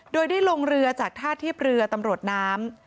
โดยได้ลงเรือจากท่าเทียบเรือตำรวจน้ำ